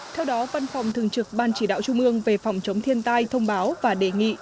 theo đó văn phòng thường trực ban chỉ đạo trung ương về phòng chống thiên tai thông báo và đề nghị